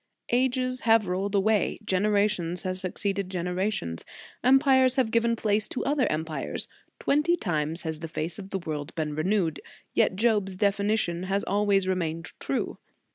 Ages have rolled away, gen erations have succeeded generations, empires have given place to other empires; twenty times has the face of the world been renewed, yet Job s definition has always remained true.